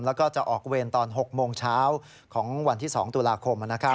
แล้วก็จะออกเวรตอน๖โมงเช้าของวันที่๒ตุลาคม